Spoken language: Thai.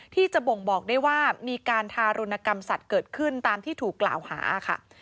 ที่จะบ่งบอกได้ว่ามีการทารุณกรรมสัตว์เกิดขึ้นตามที่ถูกกล่าวหาค่ะ